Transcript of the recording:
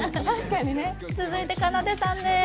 続いてかなでさんです。